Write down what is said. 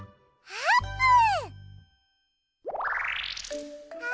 あーぷん！